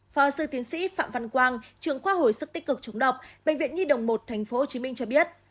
phó sư tiến sĩ phạm văn quang trường khoa hồi sức tích cực chống độc bệnh viện nhi đồng một tp hcm cho biết